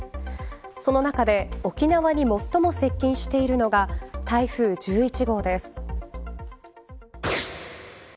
その中で、沖縄に最も接近しているのが台風１１号です。